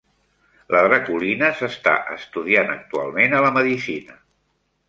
La draculina s"està estudiant actualment a la medicina.